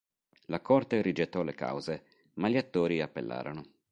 La corte rigettò le cause ma gli attori appellarono.